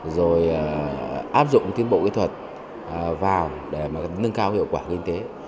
rồi áp dụng tiến bộ kỹ thuật vào để nâng cao hiệu quả kinh tế